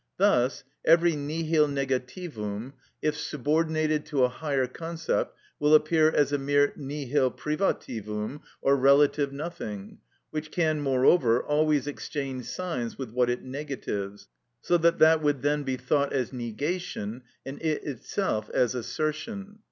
Thus every nihil negativum, if subordinated to a higher concept, will appear as a mere nihil privativum or relative nothing, which can, moreover, always exchange signs with what it negatives, so that that would then be thought as negation, and it itself as assertion.